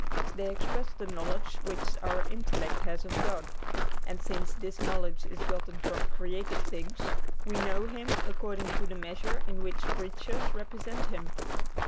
They express the knowledge which our intellect has of God; and since this knowledge is gotten from created things, we know Him according to the measure in which creatures represent Him.